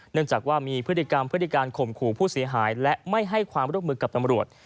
เนื่องจากว่ามีพฤติกรรมพฤติการข่มขู่ผู้เสียหายและไม่ให้ความร่วมมือกับตำรวจ